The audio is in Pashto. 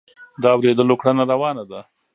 د اورېدلو کړنه روانه ده.